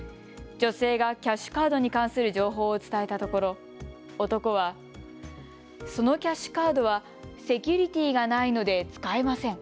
女性がキャッシュカードに関する情報を伝えたところ、男はそのキャッシュカードはセキュリティーがないので使えません。